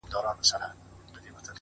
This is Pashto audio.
يــاره مـدعـا يــې خوښه ســـوېده،